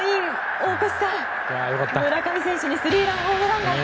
大越さん、村上選手にスリーランホームランが。